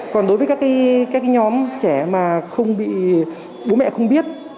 còn đối với các nhóm trẻ mà bố mẹ không biết